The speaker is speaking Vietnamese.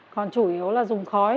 còn chủ yếu là dùng khói